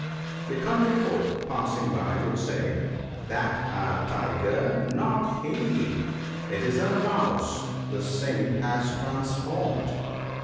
The country folk passing by would say, * That a tiger ! not he ; it is a PEACE. 123 mouse the Saint has transformed.